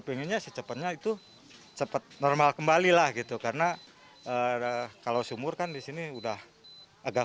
pengennya secepatnya itu cepat normal kembalilah gitu karena ada kalau sumurkan disini udah agak